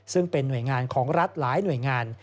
ซึ่งเป็นหน่วยงานของรัฐหลายหน่วยงาน